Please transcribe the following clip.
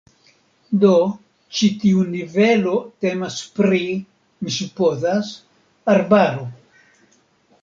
Do ĉi tiu nivelo temas pri, mi supozas, arbaro.